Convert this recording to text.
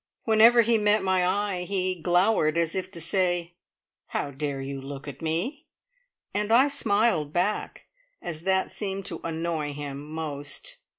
Whenever he met my eye, he glowered, as if to say, "How dare you look at me!" and I smiled back, as that seemed to annoy him most.